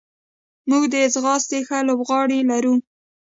موږ د ځغاستې ښه لوبغاړي لرو.